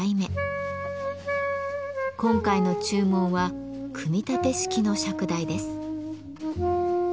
今回の注文は組み立て式の釈台です。